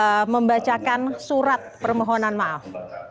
ini saat membacakan surat permohonan maaf